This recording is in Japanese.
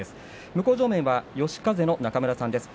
向正面は嘉風の中村さんです。